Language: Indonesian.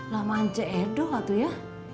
lama anca edo lah tuh ya